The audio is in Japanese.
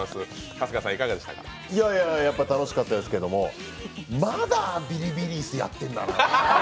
やっぱ楽しかったですけれどもまだビリビリ椅子やってるんだなって。